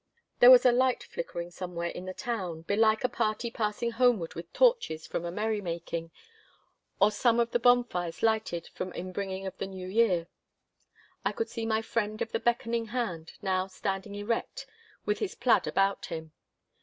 There was a light flickering somewhere in the town—belike a party passing homeward with torches from a merry making, or some of the bonfires lighted for the inbringing of the New Year. I could see my friend of the beckoning hand now standing erect with his plaid about him.